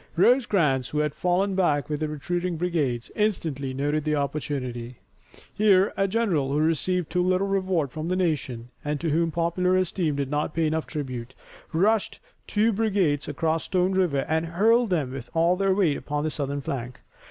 Rosecrans, who had fallen back with the retreating brigades, instantly noted the opportunity. Here, a general who received too little reward from the nation, and to whom popular esteem did not pay enough tribute, rushed two brigades across Stone River and hurled them with all their weight upon the Southern flank.